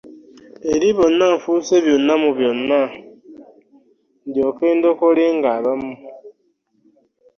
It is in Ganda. Eri bonna nfuuse byonna, mu byonna byonna adyoke ndokolenga abamu.